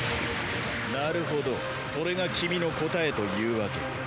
なるほどそれが君の答えというわけか。